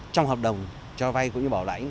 trong hợp đồng cho vay cũng như bảo lãnh